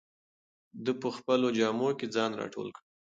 ده په خپلو جامو کې ځان راټول کړ.